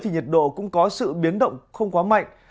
nhiệt độ cũng có sự biến động không quá mạnh